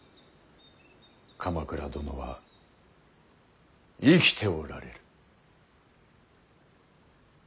鎌倉殿は生きておられる。